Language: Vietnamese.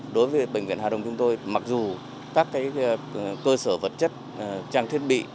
đối với bệnh viện hà đồng chúng tôi mặc dù các cơ sở vật chất trang thiết bị